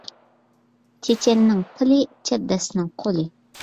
چېچەننىڭ تىلى ، چەبدەسنىڭ قولى